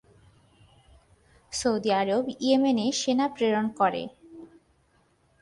Saudi Arab ইয়েমেনে সেনা প্রেরণ করে।